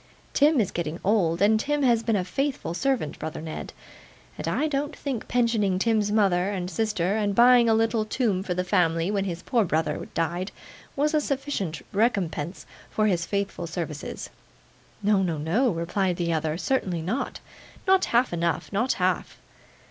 Tim is getting old, and Tim has been a faithful servant, brother Ned; and I don't think pensioning Tim's mother and sister, and buying a little tomb for the family when his poor brother died, was a sufficient recompense for his faithful services.' 'No, no, no,' replied the other. 'Certainly not. Not half enough, not half.